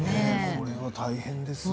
これは大変ですよね。